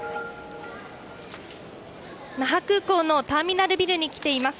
那覇空港のターミナルビルに来ています。